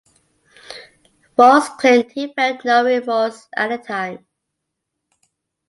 Faust claimed he felt no remorse at the time.